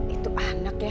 itu anak ya